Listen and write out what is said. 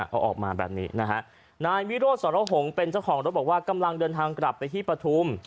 เขาออกมาแบบนี้นะฮะนายวิโรธสรหงษ์เป็นเจ้าของรถบอกว่ากำลังเดินทางกลับไปที่ปฐุม